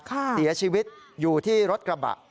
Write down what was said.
เสียชีวิตอยู่ที่รถกระบะ